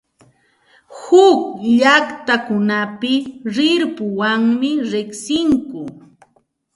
Huk llaqtakunapiqa rirpuwanmi riqsinku.